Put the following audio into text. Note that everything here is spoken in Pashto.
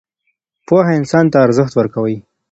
پوهه انسان ته ارزښت ورکوي.